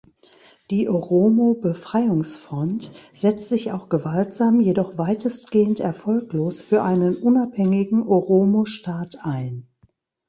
Die Oromo-Befreiungsfront setzt sich auch gewaltsam, jedoch weitestgehend erfolglos, für einen unabhängigen Oromo-Staat ein.